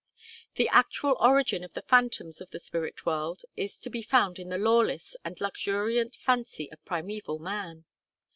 The actual origin of the phantoms of the spirit world is to be found in the lawless and luxuriant fancy of primeval man.